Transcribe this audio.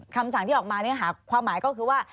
คำสั่งที่ออกมาความหมายก็คือว่า